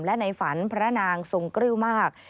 และในฝันพระนางทรงกริ้วมาก